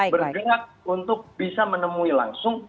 bergerak untuk bisa menemui langsung